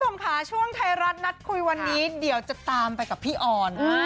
คุณผู้ชมค่ะช่วงไทยรัฐนัดคุยวันนี้เดี๋ยวจะตามไปกับพี่ออน